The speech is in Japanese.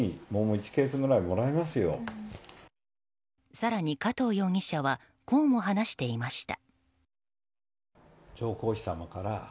更に加藤容疑者はこうも話していました。